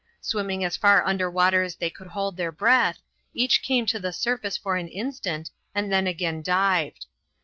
Swimming as far under water as they could hold their breath, each came to the surface for an instant, and then again dived.